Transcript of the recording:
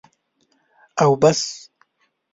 او بس.